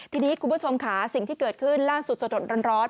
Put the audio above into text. ทีนี้คุณผู้ชมค่ะสิ่งที่เกิดขึ้นล่าสุดสดร้อน